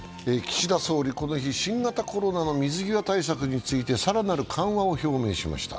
岸田総理はこの日、新型コロナの水際対策について更なる緩和を表明しました。